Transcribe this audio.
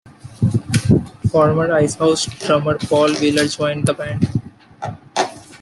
Former Icehouse drummer Paul Wheeler joined the band.